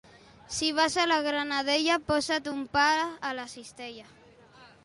Si vas a la Granadella, posa't un pa a la cistella.